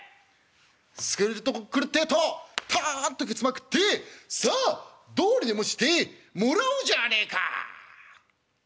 据えるとこへ来るってえとたんとけつまくって『さあどうにでもしてもらおうじゃねえか！』。